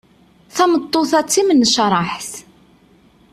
Tameṭṭut-a d timnecreḥt.